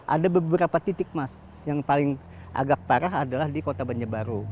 ada beberapa titik mas yang paling agak parah adalah di kota banjarbaru